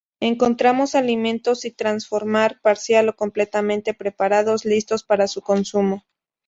Encontramos alimentos sin transformar, parcial o completamente preparados listos para su consumo.